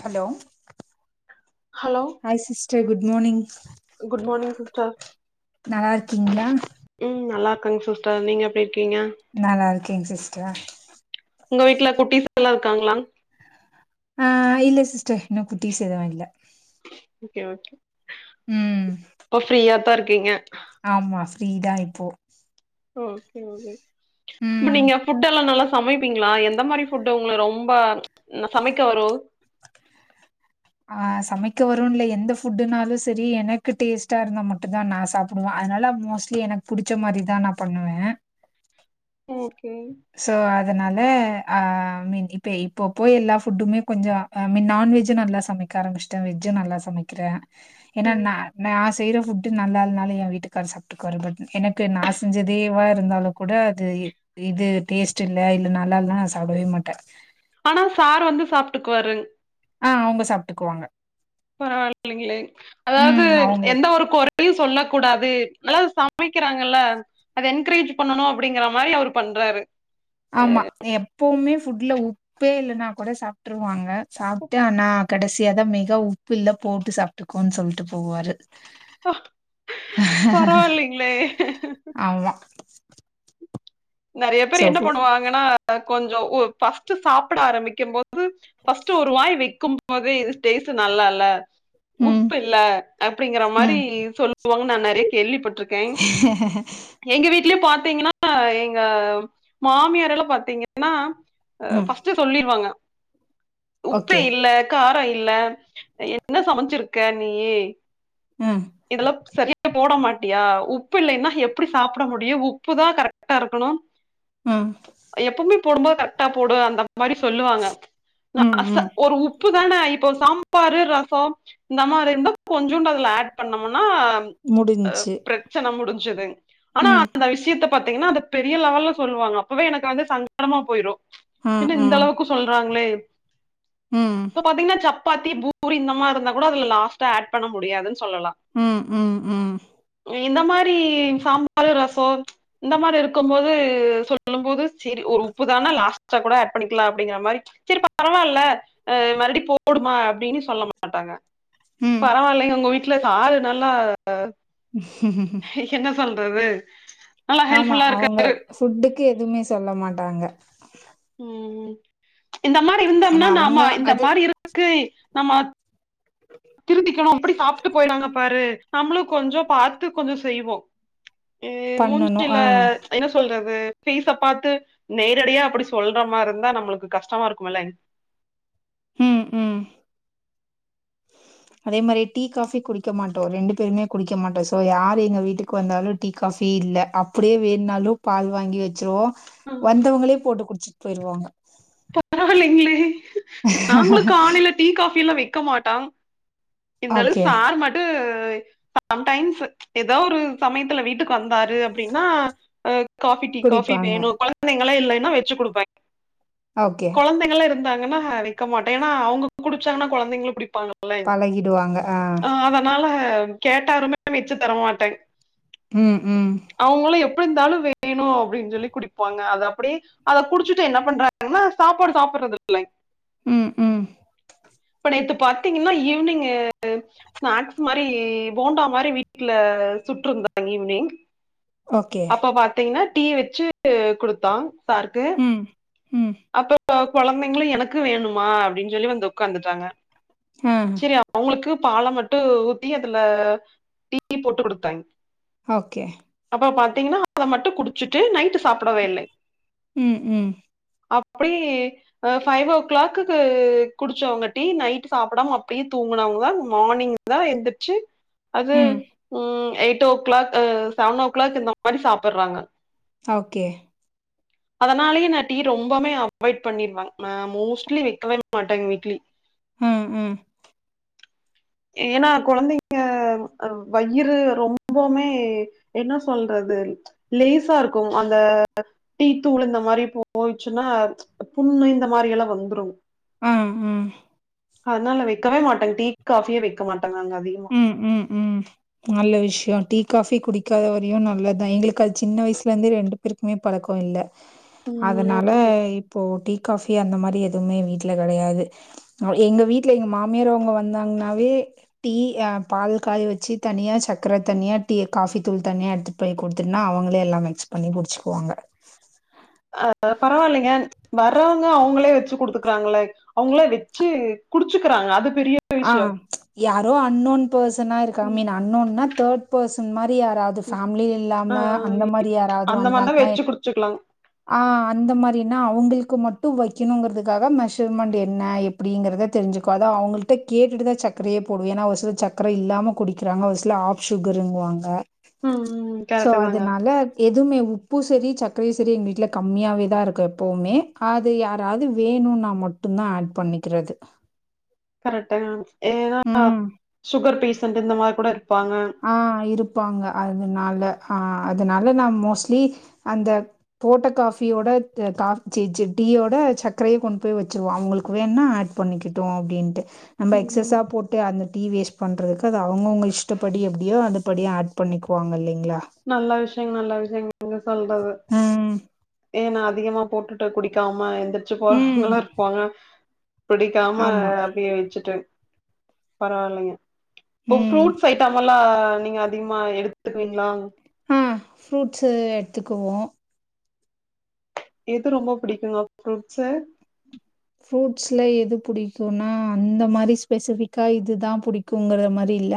Hello hello hi sister good morning good morning sister நல்லா இருக்கீங்களா ம் நல்லா இருக்காங்க சிஸ்டர் நீங்க எப்டி இருக்கீங்க நல்லா இருக்கே சிஸ்டர் உங்க வீட்டுல குட்டிஸ் எல்லாம் இருக்காங்களா ஆ இல்ல சிஸ்டர் இன்னு குட்டி சேதவ இல ஒகே ஒகே ம் இப்ப ரீயாத்தா இருக்கீங்க ஆமா ஃப்ரீதா இப்போ ஓகே ஓகே அப்ப ம் நீங்க ஃபுட் எல்லா நல்லா சமைப்பீங்களா எந்த மாதிரி ஃபுட்டு உங்கள ரொம்ப சமைக்க வரு ஆ சமைக்க வரு இல்ல எந்த ஃபுட்டுனாலு சரி எனக்கு டேஸ்ட்டா இருந்தா மட்டு தா நா சாப் அதுனால மோஸ்ட்லி எனக்கு பிடிச்ச மாதிரி தா நா பண்ணுவே ஓகே சோ அதனால அ மீன் இப்ப இப்ப போய் எல்லா ஃபுட்டுமே கொஞ்ச ஆ மின் நான்வெஜ்ஜு நல்லா சமைக்க ஆரமிச்ட்டே வெஜ்ஜு நல்லா சமைக்கிறே ஏனா ம் நா நா ஆஸ் செய்ற ஃபுட்டு நல்லா இல்லனாலு ஏ வீட்டுக்கார் சாப் ட்டுக்குவாரு பட் எனக்கு நா செஞ்சதேவா இருந்தாலு கூட அது இது டேஸ்ட் இல்ல இல்ல நல்லா இல்லனா நா சாப்டவே மாட்டே ஆனா சார் வந்து சாப்ட்டுக்குவாரு ஆ அவங்க சாப்ட்டுக்குவாங்க பரவால்லைங்களே அதாவது ம் அவங்க எந்த ஒரு கொற யு சொல்ல கூடாது நல்லா சமைக்கிறாங்கள்ல அத என்கரேஜ் பண்ணணு அப்டிங்கிற மாரி அவரு பண்றாரு ஆமா எப்பவுமே ஃபுட்ல உப்பே இல்லன்னா கூட சாப்ட்ருவாங்க சாப்ட்டு ஆனா கடைசியா தா மேகா உப்பு இல்ல போட்டு சாப்ட்டுக்கோனு சொல்ட்டு போவாரு பரவால்லிங்களே அதுதா நெறைய சோ பேர் என்ன ஃபுட் பண்ணுவாங்கன்னா கொஞ்சோ ஒ ஃபஸ்ட்டு சாப்ட ஆரம்பிக்கம் போ து ஃபஸ்ட்டு ஒரு வாய் வைக்கும் போதே இது டேஸ்ட்டு நல்லா இல்ல ம். உப்பு இல்ல அப்டிங்கிற ம் மாரி சொல்லுவாங்க நா நெறைய கேள்விப்பட்ரு எங்க வீட்லயே பாத்தீங்கனா எங்க மாமியாரெல்லா பாத்தீங்கனா அ ம் ஃபஸ்ட்டு சொல்லிருவாங்க உப்பே ஓகே இல்ல கார இல்ல அ என்ன சமச்சிருக்க நீ ம் இதெல்லா சரியா போட மாட்டியா உப்பு இல்லைன்னா எப்டி சாப்ட முடியு உப்பு தா கரெக்டா இருக்கணு ம் எப்பவுமே போடும்போ கரெக்டா போடு அந்த மாரி சொல்லுவாங்க ம் நாச ம் ஒரு உப்பு தான இப்ப சாம்பாரு ரசோ இந்த மாரி இருந்தா கொஞ்சோண்டு அதுல ஆட் பண்ணோமுனா அ முடிஞ்ச்சு பிரச்சன முடிஞ்சது ஆனா ம் அந்த விஷியத்த பாத்தீங்கன்னா அத பெரிய லெவல்ல சொல்லுவாங்க அப்பவே எனக்கு வந்து சங்கடமா போயிரு ம் என்ன இந்த ம் அளவுக்கு சொல்றாங்களே ம் இப்ப பாத்தீங்கனா சப்பாத்தி பூ ரி இந்த மாரி இருந்தா கூட அதுல லாஸ்டா ஆட் பண்ண முடியாதுன் சொல்லலா ம் ம் ம் ம் இந்த மாரி சாம்பாரு ரசோ இந்த மாரி இருக்கும்போது சொல்லும்போது சேரி ஒரு உப்பு தானா லாஸ்டா கூட ஆட் பண்ணிக்குலா அப்டிங்கிற மாரி செரி பரவால்ல அ மறுபடி போடுமா அப்டினு சொல்ல மாட்டாங்க ம் பரவாயில்லைங்க உங்க வீட்டுல சாரு நல்லா என்ன சொல்றது நல்லா ஹெல்ப் ஆமா ஃபுல்லா அவங்க இருக்காரு ஃபுட்டுக்கு எதுமே சொல்ல மாட்டாங்க ம் ம் இந்த மாரி ஏன்னா இருந்தோம்னா அவங்க நாம இந்த அது மாரி இருக்கு நாம திருந்திக்கணு அப்டி சாப்ட்டு போயிட்டாங்க பாரு நம்மளு கொஞ்சொ பாத்து கொஞ்சோ செய்வோ இ பண்ணணு முஞ்சில ஆ என்ன சொல்றது ஃபேஸ பாத்து நேரடியா அப்டி சொல்ற மார் இருந்தா நம்மளுக்கு கஷ்டமா இருக்குமில்லங் ம் ம் அதே மாரி டீ காஃபி குடிக்க மாட்டோ ரெண்டு பேருமே குடிக்க மாட்டோ சோ யார் எங்க வீட்டுக்கு வந்தாலு டீ காஃபி இல்ல அப்டியே வேணுனாலு பால் வாங்கி வச்சிருவோ வந்தவங்களே போட்டு குடிச்சிட் போயிருவாங்க பராவால்லைங்ளே நாங்களு காலைல டீ காஃபி எல்லா வெக்க மாட்டோ இருந்தாலு ஓகே சார் மட்டு சம்டைம்ஸு எதா ஒரு சமயத்துல வீட்டு க்கு வந்தாரு அப்டின்னா அ காஃபி டீ காஃபி குடிப்பாங்க வேணு கொழந்தைங்களா இல்லைன்னா வெச்சு குடுப்ப ஓகே ந்தைங்கள்லா இருந்தாங்கன்னா வைக்க மாட்டே ஏனா அவங்க குடிச்சாங்கனா கொழந்தைங்களு குடிப்பாங்க லே ஆ அதனால கேட்டாருமே வச்சு தர மாட்டே ம் ம் அவங்களு எப்பிருந்தாலு வேணு அப்டின்னு சொல்லி குடிப்பாங்க அத அப்டியே அத குடிச்சுட்டு என்ன பண்றாங் கன்னா சாப்பாடு சாப்புடுறது இல்ல ம் ம் இப்ப நேத்து பாத்தீங்கன்னா ஈவினிங் ஸ்நாக்ஸ் மாரி போண்டா மாரி வீட்ல சுட்டுருந்தங் ஈவினிங் ஓகே அப்ப பாத்தீங்கன்னா டீ வச்சு குடுத்தான் சாருக்கு ம் ம் அப்போ கொ கொழந்தைங்களு எனக்கு வேணுமா அப்டின்னு சொல்லி வந்து உக்காந்துட்றாங்க ஹோ அவங்களுக்கு பால மட்டு ஊத்தி அதுல டீ போட்டு குடுத்தாங் ஓகே அப்போ பாத்தீங்கன்னா அத மட்டு குடிச்சிட்டு நைட்டு சாப்புடவே இல்ல ம் ம் அப்டி அ ஃபைவ் ஓ கிளாக்குக்கு குடிச்சவங்க டீ நைட் சாப்புடாம அப்டியே தூங்குனவங்கதா மார்னிங் தா எந்திரிச்சு அது ம் ம் எயிட் ஓ கிளாக் அ செவன் ஓ கிளாக் இந்த மாரி சாப்புடுறாங்க ஓகே அதனாலயே ந டீ ரொம்பமே அவாய்ட் பண்ணிருவாங் மே மோஸ்ட்லி வைக்கவே மாட்டாங் வீட்ல டீ ம் ம் ஏனா கொழந்தைங்க அ வய்யிறு ரொம்பவுமே என்ன சொல்றது லேசா இருக்கு அந்த டீத்தூள் இந்த மாரி போ போயிச்சுன்னா புண்ணு இந்த மாரி எல்லா வந்துரு ம் ம் அதனால வைக்கவே மாட்டேங் டீ காஃபியே வைக்க மாட்டங் நாங்க அதிகமா ம் ம் ம் நல்ல விஷயோ டீ காஃபி குடிக்காத வரையு நல்லதா எங்களுக்கு அது சின்ன வயசுலேந்த ரெண்டு பேருக்குமே பழக்கோ இல்ல ம் அதனால இப்போ டீ காஃபி அந்த மாரி எதுவுமே வீட்ல கெடையாது நொ எங்க வீட்ல எங்க மாமியார் அவ்ங்க வந்தாங்ன்னாவே டீ அ பால் காய் வச்சு தனியா சக்கர தனியா டீ காஃபி தூள் தனியா எடுத்துட் போய் குடுத்துட்னா அவங்களே எல்லாம் மிக்ஸ் பண்ணி குடிச்சுக்குவாங்க அ பரவால்லைங்க வர்றவங்க அவங்களே வச்சு குடுத்துக் குறாங்களே அவங்களே வெச்சு குடிச்சுக்கிறாங்க அது பெரிய ஆ விஷயோ யாரோ அன்னோன் பர்சனா இருக்கா ம் மீன் அன்னோன்னா தேர்ட் பர்சன் மாரி யாராது இந்த ம் ஃபேமிலி ஆ இல்லாம அந்த மாரி யாராவது வந்தாங்கன்னா வச்சுக்கலாம் ஆ அந்த மாரினா அவங்களுக்கு மட்டும் வைக்கணுங்கிறதுக்காக மெஷர்மெண்ட் என்ன எப் டிங்கிறத தெரிஞ்சுக்கும் அதும் அவங்கள்ட்ட கேட்டுதான் சக்கரையே போடுவே ஏன்னா ஒரு சில சக்கர இல்லாம குடிக்கிறாங்க ஒரு சிலர் ஆப் சுகர் னு வாங்க ம் ம் சோ கரெக்ட் தாங்க அதனால எதுவுமே உப்பும் செரி சக்கரையும் செரி எங்களுக் வீட்ல கம்மியாவேதான் இருக்கும் எப்பவுமே அது யாராவது வேணுனா மட்டும் தான் ஆட் பண்ணிக்கிறது கரெக்டு ஏன்னா ம். சுகர் பேஷன்ட் இந்த மாதிரி கூட இருப்பாங்க ஆ இருப்பாங்க அதனால ஆ அதனால நான் மோஸ்ட்லி அந்த போட்ட காஃபியோட அ காஃப் ச்சி டீயோட சக்கரையே கொண்டு போய் வச்சிருவோம் அவங்களுக்கு வேணுனா ஆட் பண்ணிக்கிட்டு அப்டீன்ட்டு நம்ம ம் எக்ஸஸ்ஸா போட்டு அந்த டீ வேஸ்ட் பண்றதுக்கு அது அவங்கவுங்க இஷ் டபடி எப்டியோ அது படி ஆட் பண்ணிக்குவாங்க இல்லிங்களா நல்ல விஷ்யங் நல்ல விஷயங் நீங்க சொல்றது ம். ஏ நா அதிகமா போட்டுட்டு குடிக்காம எந்திரிச்சி ம். போறவங்களு இருப்பாங்க புடிக்காம ஆமா. அப்டியே வச்சுட்டே பரவால்லைங்க இப்போ ம். ஃப்ரூட்ஸ் ஐட்டம்ல்லா நீங்க அதிகமா எடுத்துக்குவீங்ளா ம் ஃப்ரூட்ஸ்ஸு எடுத்துக்குவோ எது ரொம்ப புடிக்குங்க ஃப்ரூட்ஸ்ஸு ஃப்ரூட்ஸ்ல எது புடிக்குன்னா அந்த மாரி ஸ்பெசிஃபிக்கா இதுதா புடிக்குங்கற மாரி இல்ல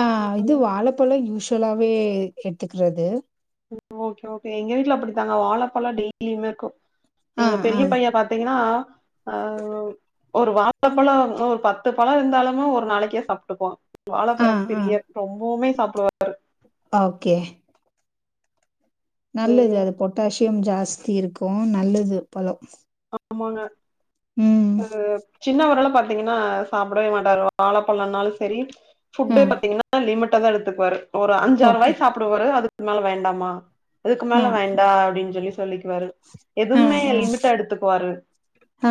ஆ இது வாழைப்பழம் யூஸ்வலாவே எடுத்துக்கிறது ஓகே ஓகே எங்க வீட்ல அப்டித்தாங்க வாழைப்பழ டெய்லியுமே இருக்கு ஆ, எங்க ஆ, பெரிய பையே பாத்தீங்கன்னா ஆ ஒரு வா ழப்பழ ஒரு பத்து பழ இருந்தாலுமே ஒரு நாளைக்கே சாப்ட்டுக்குவா வாழப்பழ ஆ, ஆ. பிரியர் ரொம்பவுமே சாப்டுவார் ஓகே நல்லது அது பொட்டாசியம் ஜாஸ்தி இருக்கு நல்லது பழ ஆமாங்க ஆ சின்னவரெல்லா பாத்தீங்கன்னா சாப்டவே மாட்டாரு வாழப்பழனாலு செரி ஆ. ஃபுட்டே பாத்தீங்கன்னா லிமிட்டா தா எடுத்துக்குவாரு ஒரு அஞ்சாறு ஓகே. வாய் சாப்பிடுவாரு அதுக்கு மேல வேண்டாமா அதுக்கு மேல ஆ, வேண்டா அப்டீன் சொல்லி சொல்லிக்குவாரு ஆ, எதுவுமே ஆ, லிமிட்டா எடுத்துக்குவாரு ஆ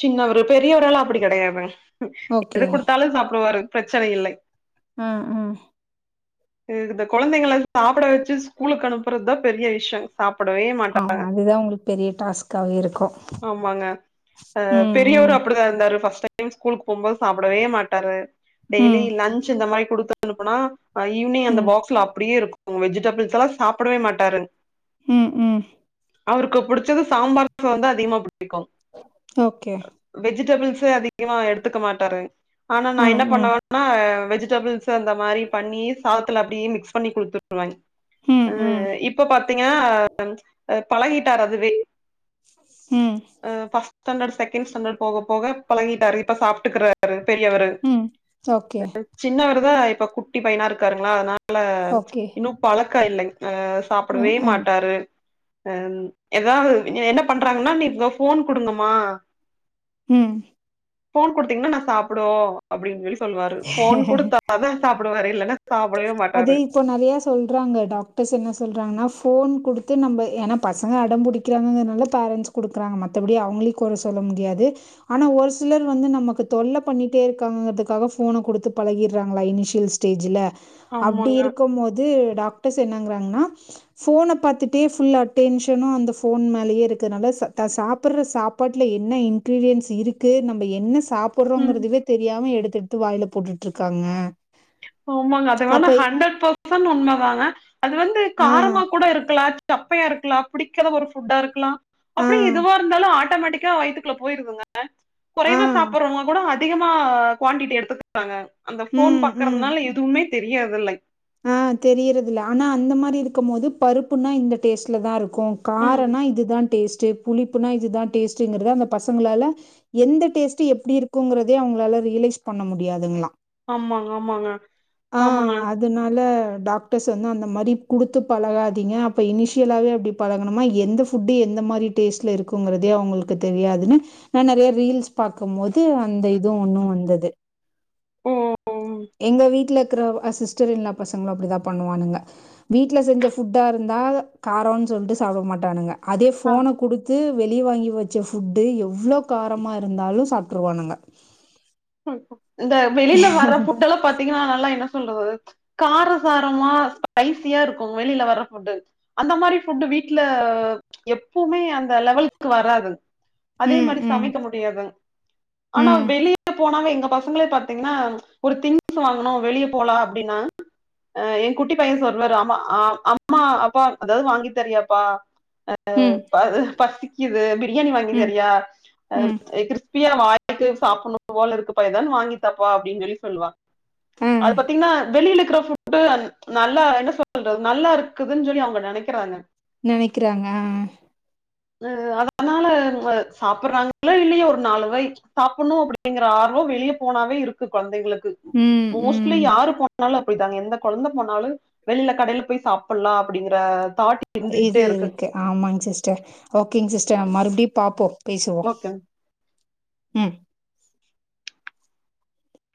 சின்னவரு பெரியவரெல்லா அப்டி கெடையாதுங் ஓகே. எது குடுத்தாலு சாப்டுவாரு பிரச்சனை இல்லை ஆ ம் எனக்கிந்த கொழந்தைங்கள சாப்ட வச்சு ஸ்கூலுக்கு அனுப்புறதா பெரிய விஷ்யோ சாப்டவே ஆமா, மாட்டாங்க அதுதான் உங்களுக்கு பெரிய டாஸ்க்காவே இருக்கும். ஆமாங்க ஆ ம், பெரியவரு ம், அப்டிதா இருந்தாரு ஃபர்ஸ்ட் டைம் ஸ்கூலுக்கு போகும்போது சாப்டவே மாட்டாரு டெய்லி ம், லன்ச் இந்த மாரி குடுத்தனுப்புனா ஆ ஈவினிங் அந்த ம், பாக்ஸ்ல அப்டியே இருக்கு உ வெஜிடபிள்ஸ்ல்லா சாப்டவே மாட்டாரு ம் ம் அவருக்கு புடிச்சது சாம்பார் சாதந்தா அதிகமா புடிக்கு ஓகே வெஜிடபிள்ஸே அதிகமா எடுத்துக்க மாட்டாரு ஆனா நா ம், என்ன ம், பண்ணுவேன்னா வெஜிடபிள்ஸ் சு அந்த மாரி பண்ணியே சாதத்துல அப்டியே மிக்ஸ் பண்ணி குடுத்து ம், ஆ ம், இப்ப பாத்தீங்கன்னா பழகிட்டாரு அதுவே ம் ஆ ஃபஸ்ட் ஸ்டேண்டட் செகண் ஸ்டேண்ட்ட் போக போக பழகிட்டாரு இப்ப சாப்ட்டுக்குறாரு பெரியவரு ம். ஓகே. சின்னவருதா இப்ப குட்டி பையனா இருக்காருங்ளா அதனால ஓகே இன்னு பழக்க இல்லேங்கே ம் சாப்படவே ம் மாட்டாரு ஆ எதாவ்து என்ன பண்றாங்கன்னா நீங்க ஃபோன் குடுங்கம்மா ம் ஃபோன் குடுத்திங்ன்னா நா சாப்புடுவோ அப்டீன் சொல்லி சொல்வாரு ஃபோன் குடுத்தா தா சாப்புடுவாரு இல்லேன்னா அதே இப்போ நெறையா சொல்றாங்க டாக்டர்ஸ் என்ன சொல்றாங்கன்னா ஃபோன் குடுத்து நம்ப ஏனா பசங்க அடம்புடிக் கிறாங்கங்கிறனால பேரண்ட்ஸ் குடுக்குறாங்க மத்தபடி அவங்ளையு கொற சொல்ல முடியாது ஆனா ஒரு சிலர் வந்து நமக்கு தொல்ல பண்ணீட்டே இருக்காங்கங்கறதுக்காக ஃபோன குடுத்து பழகீர்றாங்ளா இனிஷியல்ஸ் டேஜ்ஜுல அப்டி ஆமாங்க இருக்கம் போது டாக்டர்ஸ் என்னங்கறாங்ன்னா ஃபோன பாத்துட்டே ஃபுல் அட்டென்ஷனு அந்த ஃபோன் மேலேயே இருக்கனால ச தா சாப்பட்ற சாப் பாட்ல என்ன இன்கிரீடியன்ஸ் இருக்கு நம்ப என்ன சாப் ம் புடுறோங்கிறதுவே தெரியாம எடுத்து எடுத்து வாயில போட்டுட்டிருக்காங்க ஆமாங்க அதுவேணா ஹண்ட்ரட் பர்சன்ட் உண்மதாங்க அது வந்து ஆ காரமா கூட இருக்கலா சப்பையா இருக்கலா புடிக்காத ஒரு ஃபுட்டா இருக்கலா ஆ அப்படி எதுவா இருந்தாலு ஆட்டோமேட்டிக்கா வயித்துக்குள்ள போயிருதுங்க ஆ குறைவா சாப்பிடுறவங்க கூட அதிகமா குவான்டிட்டி எடுத்துக் [inaudible] காங்க அந்த ஃபோன் ம் பாக் ம் அதனால எதுவுமே தெரியறதில்லை ஆ தெரியறதில ஆனா அந்த மாரி இருக்கும் போது பருப்புன்னா இந்த டேஸ்ட்ல தா இரு க்கு ம் காரனா இதுதா டேஸ்ட்டு புளிப்புனா இதுதா டேஸ்ட்டுங்கிறத அந்த பசங்களால எந்த டேஸ்ட் எப்டியிருக்குங்கறதே அவுங்களால ரியலைஸ் பண்ண முடியாதுங்ளா ஆமாங்க ஆமாங்க ஆமாங்க அதனால டாக்டர்ஸ் வந்து அந்த மாரி குடுத்து பழகாதீங்க அப்ப இனிஷியலாவே அப்டி பழகணுமா எந்த ஃபுட்டு எந்த மாரி டேஸ்ட்டில இருக்குங்கறதே அவுங்களுக்கு தெரியாதுன் நா நெறைய ரீல்ஸ் பாக்குபோது அந்த இது ஒண்ணு வந்தது ஓ எங்க வீட்ல இருக்ற அ சிஸ்டர் இன் லா பசங்களு அப்டிதா பண்ணுவானுங்க வீட்ல செஞ்ச ஃபுட்டா இருந்தா காரோன் சொல்ட்டு சாப்ட மாட்டானுங்க அதே ஆ ஃபோன குடுத் து வெளிய வாங்கி வெச்ச ஃபுட்டு எவ்ளோ காரமா இருந்தாலு சாப்ட்ருவானுங்க ம் இந்த வெளில வர ஃபுட்டெல்லா பாத்தீங்கன்னா நல்லா என்ன சொல்றது காரசாரமா ஸ்பைசியா இருக்கு வெளில வர ஃபுட்டு அந்த மாரி ஃபுட்டு வீட்ல எப்புமே அந்த லெவலுக்கு வராது அதே ம், மாரி ம், சமைக்க முடியாது ஆனா ம், வெளி ய போனாவே எங்க பசங்களே பாத்தீங்ன்னா ஒரு திங்ஸ் வாங்கணு வெளிய போலா அப்டின்னா அ எ குட்டி பைய்யே சொல்றாரு ஆமா அ அம்மா அப்பா அதாவ்து வாங்கி தரியாப்பா அ ம், ப பசிக்குது பிரியாணி ம், வாங்கிதரியா அ ம், அ க்ரிஸ்பியா வா ங்கிட்டு சாப்புட்ணு போல இருக்குப்பா எதாவ்து வாங்கி தாப்பா அப்டின் சொல்லி சொல்லுவா ஆ அது பாத்தீங்ன்னா வெளில இர்கற ஃபுட் டு நல்லா என்ன சொல்றது நல்லா இருக்குதுன் சொல்லி அவுங்க நெனைக்கிறாங்க நெனைக்குறாங்க இ அதனால சாப்பட்றாங்ளோ இல்லியோ ஒரு நாலு வாய் சாப்புட்ணு அப்டிங்கற ஆர்வோ வெளிய போனாவே இருக்கு கௌலந்தைங்களுக் ம் ம் ட்லி யாரு போனாலு அப்டிதாங்க எந்த கொழந்த போனாலு வெளில கடைல போய் சாப்பலா அப்டிங்கற தாட் இது இருக்கு ஆமாங் சிஸ்டர் ஓகேங்க சிஸ்டர் நம் மறுபடியு பாப்போ பேசுவோ ஓகே ம்